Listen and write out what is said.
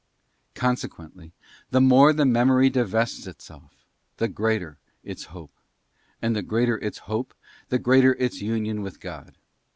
'* Consequently, the more the Memory divests itself, the greater its Hope; and the greater its hope, the greater its union with God.